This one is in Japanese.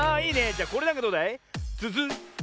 じゃこれなんかどうだい？